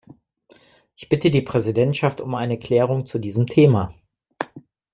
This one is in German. Ich bitte die Präsidentschaft um eine Erklärung zu diesem Thema.